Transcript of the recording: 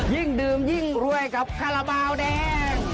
ยิ่งดื่มยิ่งรวยกับคาราบาลแดง